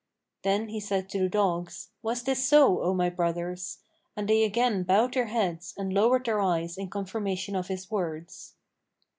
(Then he said to the dogs, "Was this so, O my brothers?" and they again bowed their heads and lowered their eyes in confirmation of his words.)